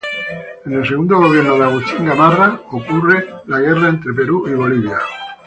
En el segundo gobierno de Agustín Gamarra ocurre la Guerra entre Perú y Bolivia.